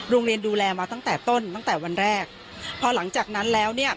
ดูแลมาตั้งแต่ต้นตั้งแต่วันแรกพอหลังจากนั้นแล้วเนี่ย